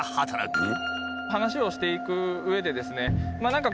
話をしていくうえでですね